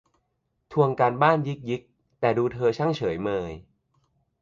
ทวงการบ้านยิกยิก แต่ดูเธอช่างเฉยเมย